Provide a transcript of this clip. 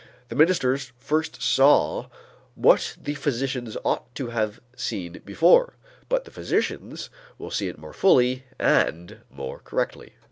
The ministers first saw what the physicians ought to have seen before, but the physicians will see it more fully and more correctly.